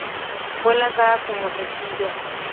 Fue lanzada como sencillo.